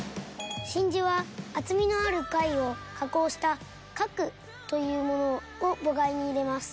真珠は厚みのある貝を加工した「核」というものを母貝に入れます。